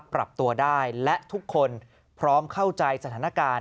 ปรับตัวได้และทุกคนพร้อมเข้าใจสถานการณ์